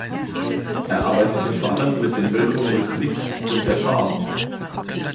Er arbeitete vor allem mit den Wirkungen des Lichts und der Farben.